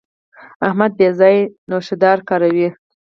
احمد بې ځایه نوشادر کاروي.